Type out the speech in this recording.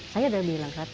saya udah bilang tadi